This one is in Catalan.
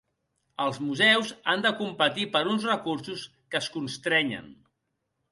Els museus han de competir per uns recursos que es constrenyen.